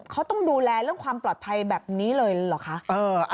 เขาต้องดูแลเรื่องความปลอดภัยแบบนี้เลยเหรอคะ